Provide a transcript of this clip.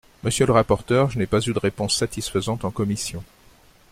Monsieur le rapporteur, je n’ai pas eu de réponse satisfaisante en commission.